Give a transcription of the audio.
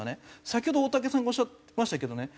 先ほど大竹さんがおっしゃいましたけどね